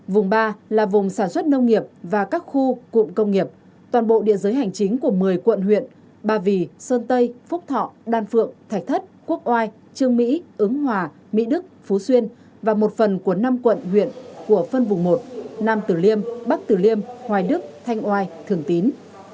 vùng ba là vùng sản xuất nông nghiệp và các khu cụm công nghiệp toàn bộ địa giới hành chính của một mươi quận huyện ba vì sơn tây phúc thọ đan phượng thạch thất quốc oai trương mỹ ứng hòa mỹ đức phú xuyên và một phần của năm quận huyện của phân vùng một nam tử liêm bắc tử liêm hoài đức thanh oai thường tín